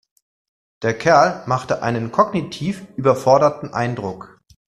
Der Kerl macht einen kognitiv überforderten Eindruck.